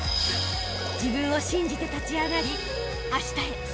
［自分を信じて立ち上がりあしたへ